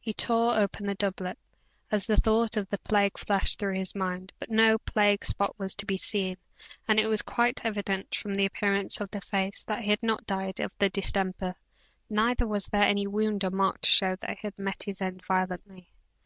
He tore open his doublet, as the thought of the plague flashed through his mind, but no plague spot was to be seen, and it was quite evident, from the appearance of the face, that he had not died of the distemper, neither was there any wound or mark to show that he had met his end violently.